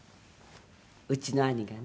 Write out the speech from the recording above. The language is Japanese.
うちの兄がね